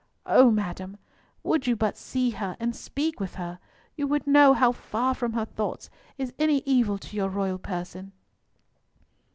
O madam, would you but see her, and speak with her, you would know how far from her thoughts is any evil to your royal person!"